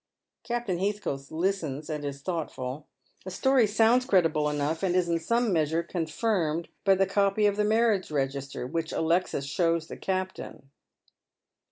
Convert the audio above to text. Captain Heathcote listens, and is thoughtful. The story Bounds credible enough, and is in some measure confirmed by the eopy of the marriage register, which Alexis shows the captain.